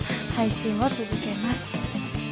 配信を続けます。